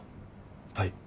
はい。